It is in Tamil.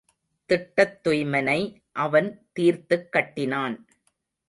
திட்டத் துய்மனை அவன் தீர்த்துக் கட்டினான்.